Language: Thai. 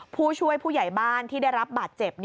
ผู้ช่วยผู้ใหญ่บ้านที่ได้รับบาดเจ็บ